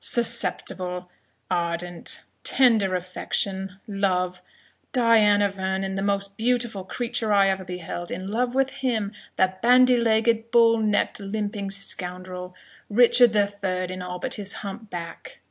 "Susceptible ardent tender affection Love Diana Vernon, the most beautiful creature I ever beheld, in love with him, the bandy legged, bull necked, limping scoundrel! Richard the Third in all but his hump back!